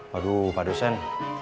waduh pak dosen